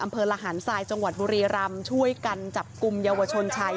อำเภอระหารทรายจังหวัดบุรีรำช่วยกันจับกลุ่มเยาวชนชาย